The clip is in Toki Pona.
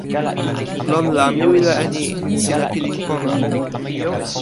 lon la mi wile e ni: sina pilin pona.